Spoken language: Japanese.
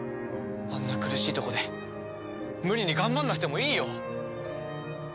あんな苦しいとこで無理に頑張らなくてもいいよ。